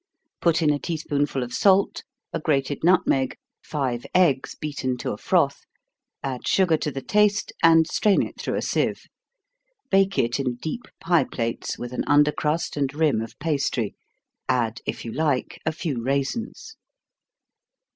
Put in a tea spoonful of salt, a grated nutmeg, five eggs beaten to a froth add sugar to the taste, and strain it through a sieve. Bake it in deep pie plates, with an under crust and rim of pastry add if you like a few raisins.